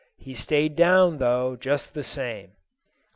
He stayed down, though, just the same."